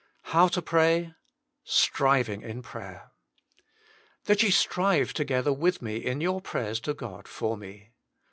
HOW TO PRAY. Bribing in ^raner " That ye strive together with me in your prayers to God for me."